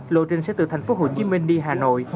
lộ trình sẽ từ thành phố hồ chí minh đi hà nội